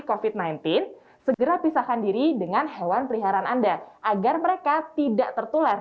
covid sembilan belas segera pisahkan diri dengan hewan peliharaan anda agar mereka tidak tertular